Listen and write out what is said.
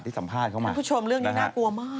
เป็นไปเรื่องนี้น่ากลัวมาก